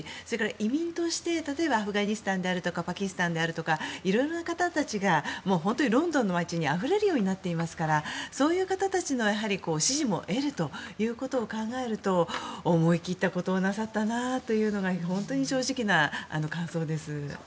移民として例えばアフガニスタンやパキスタンだとかいろんな方たちが本当にロンドンの街にあふれるようになっていますからそういう方たちの支持も得るということを考えると、思い切ったことをなさったなというのが本当に正直な感想です。